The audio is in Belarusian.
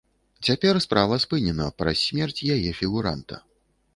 Цяпер справа спынена праз смерць яе фігуранта.